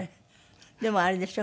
でもあれでしょ？